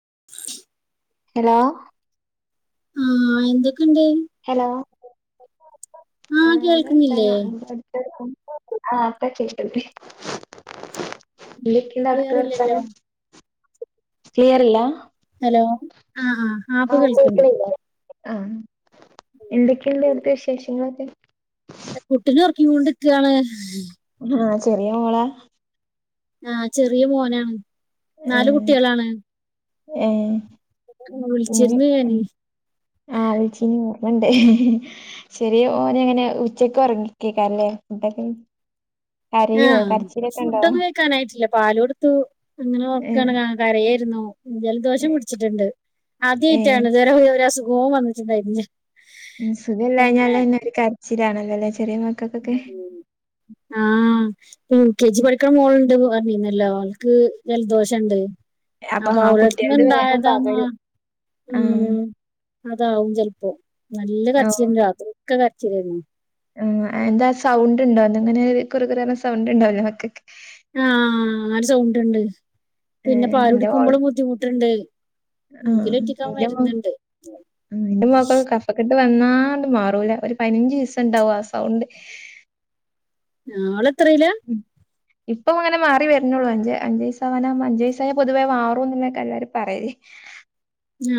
[unintelligible] Hello ആഹ എന്തൊക്കെണ്ട് hello ആ ആഹ് കേൾക്കുന്നില്ലേ എർത്താനോ എടുക്കും ആഹ അപ്പ ചെയ്ട്ടട്ടെ എന്തൊക്കെയന്താ ക്ലിയർ അടുത്ത് ഇല്ലല്ലോ വർത്താന് ക്ലിയർ [inaudible] അല്ല ഹലോ ആ ആ ആപ്പ് കേൾിക്കണ്ട് ആഹ എന്തൊക്കെയുണ്ട് ഇടുത്തെ വിശേഷങ്ങളൊക്കെ കുട്ടിനെ ഉറക്കി [inaudible] കൊണ്ടിരിക്കാണ് ആ ചെറിയ മോളാ ആഹ ചെറിയ മോനാണ് ഏ നാല കുട്ടികളാണ് ഏ വിളിച്ചിരുന്നു ഞാന് ആ് വിളിച്ചനി ഓർമ്മണ്ടേ ശെരി ഓന അങ്ങനെ ഉച്ചക്ക് ഉറങ്ങിക്കേക്കാല്ലേ ഫുഡൊക്കെ [unintelligible] കരയോ ആഹ കരച്ചിലൊക്കെ ഉണ്ടോ ഫുഡൊ ഒന്നും കഴി [inaudible] ക്കാനായിട്ടില്ല പാല കൊടുത്തു അങ്ങനെ ഏ ഒഓക്കെയാണ് കരയായിരുന്നു ജലദോഷം പിടിച്ചിട്ടുണ്ട് ഏ ആദ്യമായിട്ടാണ് ഇതുവരെ [inaudible] ഒരു അസുഖവും വന്നിട്ടുണ്ടായിരുന്നു സുഖമല്ല കഞ്ഞാലന്നെ ഒരു കരച്ചിലാണല്ലല്ലേ [unintelligible] ആ യു [inaudible] കെ ജി പഠിക്കണ മോൾുണ്ട് പിന്നല്ലോ ആൾക്ക് ജലദോഷുണ്ട് അപ്പൊ ആ അവിടെന്ന കുട്ടികൾത് വേഗം ഇണ്ടായതാെന്ന പകരും ഉ ആഹ് അതാവും ചിലപ്പോ നല്ല ഓഹ് കരച്ചിലന്ന രാത്രിലൊക്കെ കരച്ചിലാരുന്നു ആഹ് എന്താ സൗണ്ട് ഉണ്ടോ ന്ന് ഇങ്ങനെ കുറു കുറു സൗണ്ട് ഉണ്ടാ [unintelligible] ആഹ് അങ്ങനെ സൗണ്ടുണ്ട് പിന്നെ ഏഹ് പാലു എന്റെ മോള് കൂടിക്കുമ്പോഴും ബുദ്ധിമുട്ടുണ്ട് ആഹ് എന്റെ മോക്ക്‌ കഫക്കെട്ട് വന്നാ മാറൂല ഒരു പതിനഞ്ച് ദിവസം ഉണ്ടാവും ആഹ് സൗണ്ട് ആഹ് അവൾ എത്രയില ഇപ്പം അങ്ങനെ മാറി വരുന്നുള്ളൂ അഞ്ച് അഞ്ചു വയസായാനാക്കുമ്പോ അഞ്ചു വയസായ പൊതുവേ മാറുന്നൊക്കെ എല്ലാവരും പറയേ ല്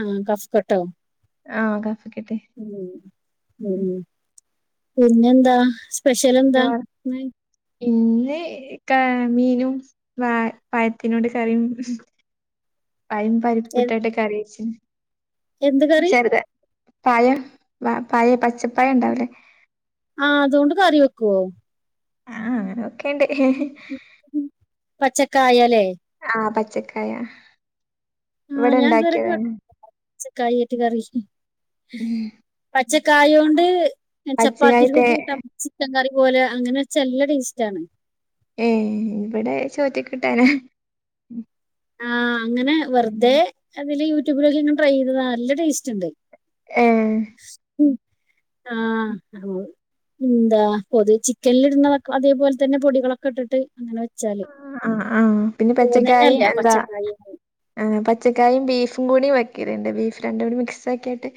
ആഹ് കഫ് കട്ടോ ആ കാ മ് മ് പിന്നെന്താ സ്പെഷ്യൽ എന്താ ഇന്ന മീനും വ പഴത്തിനോട് കറിയും പയം എ പരിപ്പിടാട്ട് കറി വെച്ച് എന്ത് കറി ചെറുത് പഴം പഴം പച്ച ആ അതുകൊണ്ട് കറി വെക്കുവോ ആ അങ്ങനെ വെക്കലുണ്ട് കായാലേ ആ പച്ചക്കായ ഇവിടെ ഉണ്ടാക്കിയതാണ് പച്ച കായ കറി പച്ചക്കായ കൊണ്ട് പച്ചക്കായ ചപ്പാത്തിക്ക് തേ കൂട്ടാൻ ചിക്കൻ കറി അതു പോലെ അങ്ങനെ വെച്ചൽ നല്ല ടേസ്റ്റേണ് ഏ ഇവിടെ ചോറ്റ്ക്ക് കൂട്ടാന ആഹ് അങ്ങനെ വെറുതെ അതില് യൂട്യൂബിലൊക്കെ ഇങ്ങനെ ട്രൈ ചെയ്തത നല്ല ടേസ്റ്റ് ഉണ്ട് [inaudible] ഏഹ് ആ ആ എന്താ പൊതു ചിക്കനിൽ ഇടുന്ന അതേപോലെ തന്നെ പൊടികളൊക്കെ ഇട്ടിട്ട് അങ്ങനെ വെച്ച് ആ ആ പിന്നെ പച്ചക്കായി എന്താ പച്ചക്കായി പച്ചക്കായും ബീഫും കൂടിയും വെക്കറുണ്ട് ബീഫ് രണ്ടും കൂടി മിക്സ് ആക്കിയിട്ട്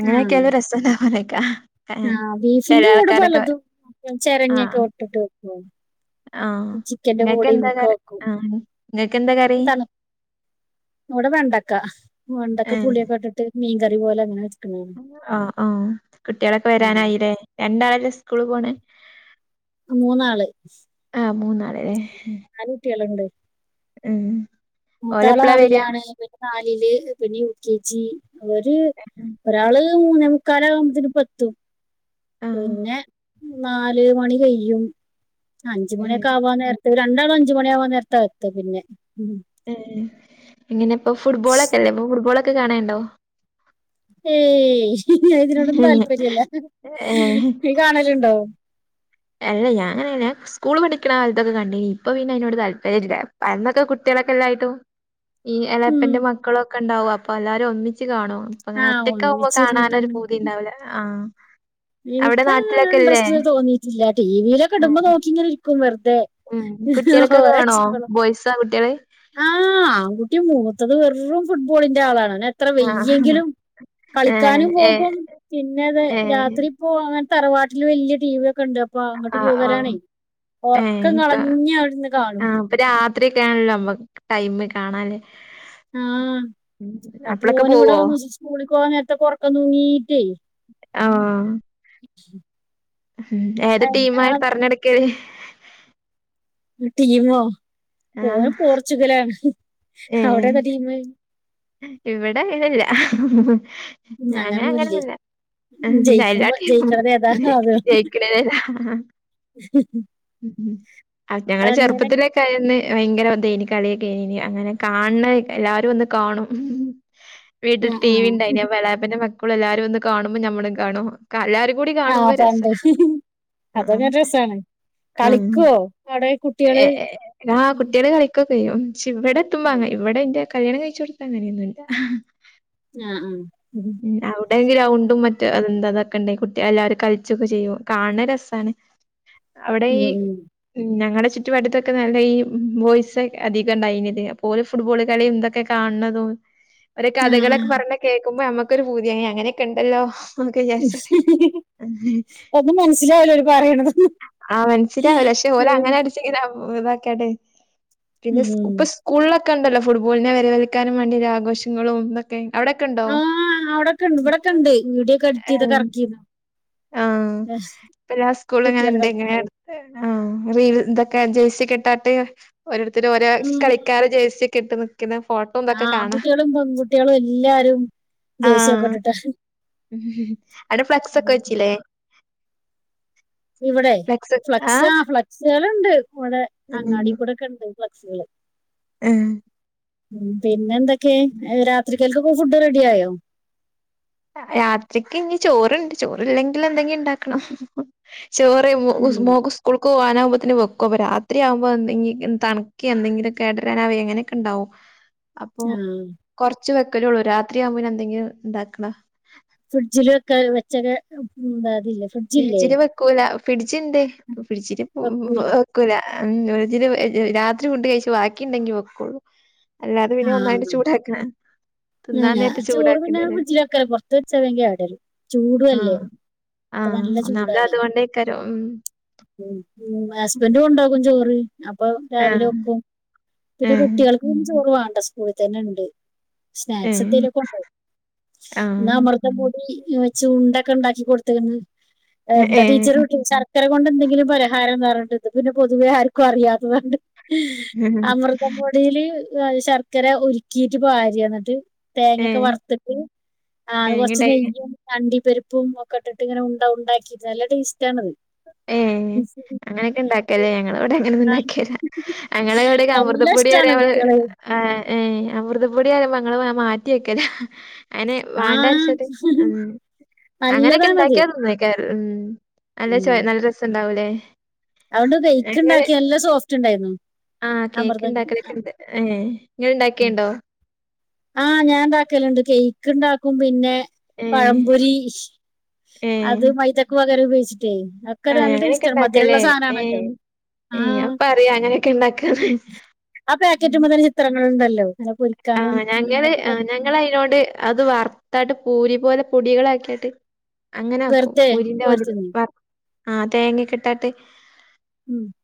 അങ്ങനെയൊക്കെ അത് രസം ന്താ പോനേക്കാ [unintelligible] ആ ബീഫിന്റെ കൂട് പലതും ചിരങ്ങക്കെ ആഹ് ഇട്ടിട്ട് വെക്കു ആഹ് ചിക്കന്റെ ഇങ്ങക്ക് കുടേം എന്താ ഒക്കെ കറി വെക്കും ആഹ് ഇങ്ങക്ക് എന്താ കറി തനു [unintelligible] ഇവിടെ വെണ്ടക്ക വെണ്ടക്ക പുളിയൊക്കെ ഇട്ടിട്ട് മീകറി പോല്ലെ അങ്ങനെ വെച്ച ആ ആ കുട്ടികളൊക്കെ ഉം വരാനായില്ലേ രണ്ടാൾ അല്ലെ സ്കൂളൾ പോണെ മൂന്നാള് ഏ നാലുട്ടികൾ ഉണ്ട്‌ മം മുത്താൾ ആറിലാണ് പിന്നെ നാലിൽ പിന്നെ യു കെ ജി ഒരു ഒരാള് മൂന്നേമുക്കാൽ ആകുമ്പോതതേന് ഇപ്പോത്തും ആഹ് പിന്നെ നാല് മണി കയ്യും അഞ്ചു ഉം മണിയൊക്കെ ആവാ നേര രണ്ടാളും അഞ്ചുമണിയ ആവാൻ നേരത്തെ എത്തു പിന്നെ ഏ ഇങ്ങനെ ഇപ്പൊ ഫുട്ബോളൊക്കെല്ലേ ഇപ്പൊ ഫുട്ബോളോക്കെ കാണാനുണ്ടോ ഏയ് ഇതിനോടൊന്നും താല്പര്യല്ല ഏഹ് നി കാണലുണ്ടോ അല്ല ഞാനങ്ങനെ സ്കൂൾ പഠിക്കണ കാലത്തൊക്കെ കണ്ടിന് ഇപ്പൊ പിന്നെ അതിനോട് താല്പര്യമില്ല അന്നൊക്കെ കുട്ടിക മൊക്കെ എല്ലായിട്ടും ഈ ഉം എളാപ്പന്റെ മക്കളുമോക്കെ ഉണ്ടാവും അപ്പൊ എല്ലാരും ഒന്നിച്ച് കാണു ഇപ്പം ആ അങ്ങനെ ഒറ്റക്ക്‌ ആവുമ്പോ ഒന്നിച്ചിരുന്നിട്ട് കാണാൻ ഒരു അങ്ങനെ പൂതി ഉണ്ടാവില്ല ആ എനിക്ക് അങ്ങനെ ഇൻട്രസ്റ്റ് തോന്നിയിട്ടില്ല ടി വിയില കെടുമ്പോ ആഹ് നോക്കി ഇങ്ങനെ ഇരിക്കും വേറു ഉം ഉം. കുട്ടികൾക്കൊക്കെ കാണോ അച്ച ബോയ്സാ കുട്ടികള് ആഹ [unintelligible] മൂത്തത് വെറും ഫുട്ബോളിന്റെ ആളാണ് ഓന് എത്ര ആഹ് വെയ്യെങ്കിലും ഏഹ് കളിക്കാനും ഏഹ് പോകും പിന്നെ രാത്രി ഏഹ് ഇപ്പോ അങ്ങനെ തറവാട്ടിൽ വലിയ ടി വി ഒക്കെ ഉണ്ട് അപ്പൊ അങ്ങോട്ട് ആഹ് ആഹ് പോകലാണ് ഏ ഇപ്പൊ ആ ഇപ്പൊ രാത്രിൊക്കെ ആണല്ലോ നമ്മക്ക് ടൈം കാണാന് ആ ആ അപ്പളൊക്കെ പോന് ഇവിടെ പോവോ വന്ന് സ്കൂളക്ക് പോവാൻ നേരത്തെ കൊറക്ക തൂങ്ങീട്ടേ ആ ഉ [unintelligible] ഉം ഏത് ടീം ആയിട്ട് പറഞ്ഞെടുക്കത്. ആ ടീമോ ആ പോഓന പോർച്ചുഗലാണ്. ഏ ആവിടെ കഥ ഇവിടെ ആയിന്നില്ല അങ്ങനെ അങ്ങനൊന്നുല്ലേ അങ്ങനന്നില്ല. ല്ലാ ജയിക്കുമ്പോ ജയിക്കണത് ഏതാ അത് ജയിക്കണല്ല. ഉ ഞങ്ങള് അങ്ങനെ ചെറുപ്പത്തിലേക്കയ ഭയങ്കര വന്ത എനി കളിയൊക്കെ അങ്ങനെ കാണണ എല്ലാരും ഒന്ന് കാണും. വീട്ടിൽ ആഹ് ടി വി ആഹ് ഉണ്ടായിന അപ്പ എപ്പന്റെ മക്കളൾ എല്ലാവാരും ഒന്ന് കാണുമ്പോ നമ്മും കാണോ. ആഹ് പണ്ടേ ആ അതനെ രസാണ്. കളിക്കുവോ? അവിടെ കുട്ടികള് ആഹ് കുട്ടികള് കളിക്കോം പക്ഷ ഇവിടെ എത്തുമ്പാങ്ങ ഇവിടെന്റെ കല്യാണം കഴിച്ച കൊടുത്ത അങ്ങനെയൊന്നും ഇല്ല. ആഹ് ആഹ് ഉം ഉ അവിടെ ഗ്രൗണ്ടും മറ്റ അതെന്താത് ക്കണ്ട കുട്ടി എല്ലാവരും കളിച്ചൊക്കെ ചെയ്യും കാണണ രസാ ണ്. അവിടെ ഈ ഉം ഞങ്ങള് ചത്തൊക്കെ നല്ല ഈ വോയിസ് അധികം ഉണ്ടായിത് അ ഫുട്ബോള് കളി എന്തൊക്കെ കാണതും ഒരു ആഹ് കഥകളൊക്കെ ആഹ് പറഞ്ഞ കേക്കുമ്പോ ഞമ്മക്കൊരു പൂതി അങ്ങനെയൊക്കെ ഒണ്ടല്ലോ. അത് മനസിലാവല്ലോര് പറയണത്. ആ മനസ്സിലാവില്ല. പക്ഷേഓല അങ്ങന അ ഇതാക്കെ പിന്നെ ഉം. ഇപ്പ സ്കൂളിലക്കെ ഒക്കെണ്ടല്ലോ ഫുട്ബോളിനെ വലിക്കാനും വേണ്ടിയ ഒരു ആഘോഷങ്ങളുംതൊക്കെ. എവിടെൊക്കെ ഉണ്ടോ ആ അവിടൊക്കെ ഉണ്ട് ഇവിടെ ഒക്കെ ഉണ്ട് വീഡിയോ ഒക്കെ എഡിറ്റ് ചെയ്തൊക്കെ ഇറക്കിയിരുന്നു ആഹ ഇപ്പല്ല സ്കൂൾ കുട്ടികൾ എങ്ങനെണ്ട്. കളിക്കാൻ എങ്ങനെ ആ ഇതൊക്കെ ജേഴ്സി കെട്ടാട്ട് ഓരോരുത്തര ഓരോ ഉം. കളിക്കാർ ജേഴ്സി ഒക്കെ ഇട്ട് നിക്കുന്ന ഫോട്ടോ ആ ഇതൊക്കെ കാണാ ആൺകുട്ടിളും പെൺകുട്ടിളും എല്ലാരും ജേസിയൊക്കെ ആഹ് ഇട്ടിട്ട് അവിടെ ഫ്ലക്സ് ഒക്കെ ഉം. വച്ചില്ലേ. ഇവിടെ ഫ്ലക്സ് ആ ഫ്ലക്സുകള്ണ്ട്. ഇവിടെ അങ്ങാടി കൂടെ ഒക്കെണ്ട്. [unintelligible] ഉം പിന്നെ എന്തൊക്കെ രാത്രികൽക്കൊക്ക ഫുഡ് റെഡി ആയോ? രാത്രിക്ക് ഇനി ചോറുണ്ട് ചോറല്ലെങ്കി എന്തെങ്കും ഉണ്ടാക്കണം. ചോറ് മോള് ഉം ക്ക് സ്കൂൾക്ക് പോവാ ന് വെക്കോ അപ്പൊ രാത്രിയാവുമ്പോ എന്തെങ്ക തണക്കി എന്തെങ്കിലും കേടരൻാവ അങ്ങനെയൊക്കെ ഉണ്ടാവോ അപ്പൊ ആ കൊറച്ച് വെക്കലേ ഉള്ളു. രാത്രിയാവുമ്പോന് എന്തെങ്കിലും ഇണ്ടാക്കണ ഫ്രിഡ്ജില ഒക്കെ വെച്ചക്കെ ഉന്താതില്ലേ ഫ്രിഡ്ജില്ലേ. [unintelligible] ഒരുതി വെക്കൂലേ രാത്രി ഫുഡ്‌ കഴിച്ചു. ബാക്കിണ്ടെങ്കി വെക്കോളു. അല്ലാതെ ആ പിന്നെ ഒന്നായിട്ട് ചൂടാക്കണ ആ തിന്നാൻ ഞാൻ നേരത്ത് ചോറ് പിന്നെ ചൂടാക്കണ്ടല്ലേ ഫ്രിഡ്ജിലൊക്കല്ല പുറത്ത വെച്ചാ വേഗം കെടുവരും ചൂടുല്ലേ. ആഹ് ഇപ്പൊ ആഹ് നല്ല ഒന്നാമത് ചൂടാണ്. അതുകൊണ്ടേക്കാരം ഉം ഹസ്ബൻഡും കൊണ്ടോവും ചോറ്. അപ്പൊ രാവിലെ ആഹ് വെക്കും. പിന്നെ ഏഹ് കുട്ടികൾക്ക് ചോറ് വേണ്ട സ്കൂളി തന്നെ ഉണ്ട്. സ്നാക്സ് ഏഹ് എന്തെലുക്കെ കൊണ്ടോവും. ആ. എന്നാ മൃഗമൂടി ഉം ചുണ്ടെക്കെ ഉണ്ടാക്കി കൊടുത്തേക്കന്ന് എ് ന്താ ഏ. ടീച്ചറ് [unintelligible] ഇത്ര കൊണ്ട് എന്തെങ്കിലും പരിഹാരംന്ന് പറഞ്ഞിട്ടണ്ട് പിന്നെ പൊതുവെ ആർക്കും അറിയാത്തതു കൊണ്ട് ഹ് അമൃതപൊടിയില് എ് ശർക്കര ഉരുക്കിട്ട് ബാരിഎന്നട്ട് തേങ്ങേക്ക ഏ. വർത്തിട്ട് ആ അത് കൊറച്ച് എങ്ങട്ടായി നെയ്യും അണ്ടി പരിപ്പും ഒ ക്കെട്ടിട്ട് ഇങ്ങനെ ഉണ്ടാവും ഉണ്ടാക്കി നല്ല ടേസ് [inaudible] ഏ അങ്ങനെയൊക്കെ ഇണ്ടാക്കല്ലേ ഞങ്ങളിവിടെ ആ, ഇണ്ടാക്കീല്ല ഹ് ഞങ്ങളിവിടേക്ക നല്ല അമൃദപ്പൊടി വരെ ഇഷ്ടാണ് ഇവള് കുട്ടികളെ ആ ഏ അമൃതപൊടി വരുമ്പ അങ്ങള് മ മാറ്റി വെക്കൂല്ലേ. അയ്ന് ആ വാണ്ട അരശത് ഉം അങ്ങനെക്കെ നല്ലതാണത് ഇണ്ടാക്കിയാ ന്നന്നാക്ക ഉം നല്ല ചോ ഉം. നല്ല രസുണ്ടാവൂലേ അതുകൊണ്ട് ബെയ്ക്ക് ഇണ്ടാക്കിയ എല്ലാം സോഫ്റ്റ് ഉണ്ടായിരുന്നു ആ കേക്ക് അമൃതം ഇണ്ടാക്കണേക്കിണ്ട് അതേ ഇങ്ങള് ഇണ്ടാക്കിട്ട്ണ്ടോ ആ ഞാൻ ഉണ്ടാക്കലിണ്ട് കേക്ക് ഇണ്ടാക്കും പിന്നെ ഏ. പഴംപൊരി ഏ. അത് മൈദക്ക് പകരം ഉപയോഗിച്ചി അതേ ഒക്കെ ആ നല്ല അങ്ങനെയൊക്കെ ടേസ്റ്റാണ് മധുരൊള്ള ഇണ്ടാക്കല്ലേ? ഏ. സാനാണ് ഏ ഞാ പറയാ അങ്ങനേക്കെ ഇണ്ടാക്കാന്ന് ആ ഇണ്ടല്ലോ അങ്ങന പൊരിക്കാനും ഇങ്ങനെ അങ്ങനെയൊക്കെ ആ പറ്റും. ഞങ്ങള് അയ്നോട് അത് വറുത്തായിട്ട് പൂരി പോലെ പൊടികളാക്കിയേട്ട് അങ്ങനാക്കും വെറുതെ പൂരിന്റെ മാതിരെ പോരുത്തുന്നു വർ ആ തേങ്ങേക്കിട്ടാട്ട് ഉം [unintelligible]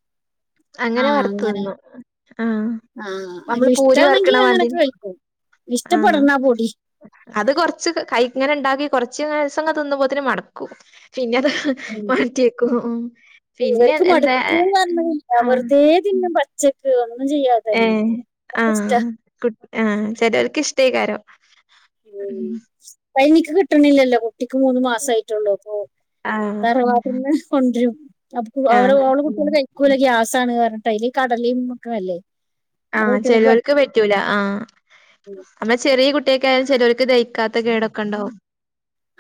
അങ്ങന വറുത്ത് നിന്ന് ആ ആ നമ്മള് പൂരി അതിലിഷ്ടാണെങ്കി വറുക്കണ അങ്ങനൊക്കെ മാതിര് കഴിക്കും ആ ഇഷ്ടപ്പെടണ പൊടി അത് കൊറച്ച് ക് കൈ ഇങ്ങനെ ഇണ്ടാക്കി കൊറച്ച് ദെവസങ്ങൾ തിന്നുമ്പോത്തിനും മടുക്കും പിന്ന അത് ഹ് ഉം. മാറ്റിവെക്കും ഇവർക്ക് പിന്നെഅത് എന്താ എ മടുക്കുന്ന് ആ ഉച്ചക്ക് വന്ന് ഏ ആ കുട്ട് ആ ചെലരിക്ക് ഇഷ്ടികാരം ഉം പഴനിക്ക് കിട്ടണില്ലല്ലോ കു കുട്ടിക്ക് മൂന്ന് മാസം ആയിട്ടുള്ളൂ ഉം ആഹ് തറവാട്ടിന്ന് കൊണ്ടരും അപ്പു അവരെ ആഹ് ഓള് കുട്ടികള് കഴിക്കൂല്ല ഗ്യാസാണ് കാരണംട്ട അയ്ല് ഈ കടലേം ഒക്കെ അല്ലേ ആ അവളെ കുട്ടികൾക്ക് പ- ചെലവർക്ക് പറ്റൂല ആ എന്നാ ചെറിയ കുട്ടിക കെ ചെലവർക്ക് ദഹിക്കാത്ത കെടക്കണ്ടാവും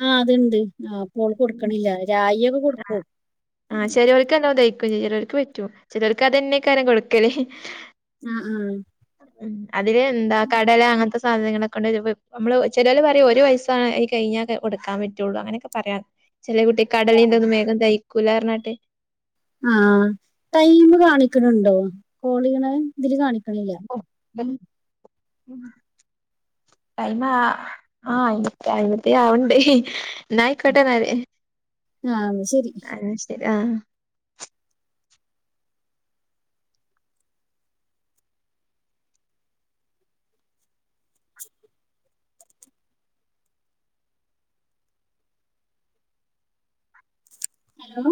ആ അത്ണ്ട് ആ അപ്പോൾ കൊടുക്കണില്ല രായിയൊക്ക ആ ആ ശരി വെക്കന്നൊന്തേ എക്കോ ചെയ്യല് ചെലോർക്ക് പറ്റും ചെലോർക്ക് അതന്നെ കാര്യം കൊടുക്കല് ഹ് ഹീ ആആ അതില് എന്താ കടല അങ്ങനത്ത സാ സാധനങ്ങളൊക്കൊേണ്ടോയി വെക്ക മ്മള് ചെലര് പറയും ഒരു വയസായി കഴിഞ്ഞാൽ ക കൊടുക്കാപറ്റുള്ളൂ അങ്ങനേക്കെപറയാൻ ചെല കുട്ടി കടലിന്നൊന്നും വേഗം കയ്ക്കൂല്ലാർഞ്ഞട്ട് ആ ടൈമ് കാണിക്കണുണ്ടോ കോളിനാ ഇതില് കാണി ഒ ഉം [unintelligible] ടൈമാ ആ ടൈമൊത്തി ആവണ്ട് ഹി ഹീ എന്നായിക്കോട്ടെ എന്നാല് ആ എന്നാ ശരി ആ ഹലോ